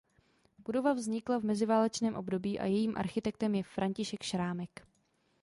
Budova vznikla v meziválečném období a jejím architektem je František Šrámek.